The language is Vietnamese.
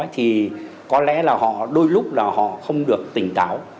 thì có lẽ là họ đôi lúc là họ không được tỉnh táo